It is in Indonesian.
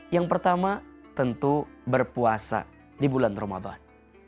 yang pertama tentu berpuasa di bulan ramadan